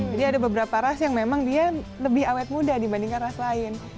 jadi ada beberapa ras yang memang dia lebih awet muda dibandingkan ras lain